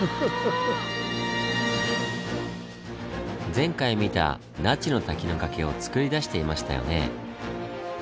前回見た那智の滝の崖をつくり出していましたよねぇ。